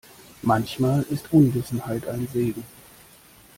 Manchmal ist Unwissenheit ein Segen.